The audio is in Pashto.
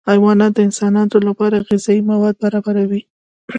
حیوانات د انسانانو لپاره غذایي مواد برابر کوي